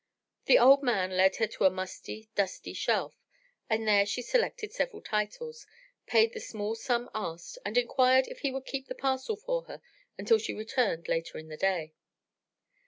The old man led her to a musty, dusty shelf and there she selected several titles, paid the small sum asked and inquired if he would keep the parcel for her until she returned later in the day.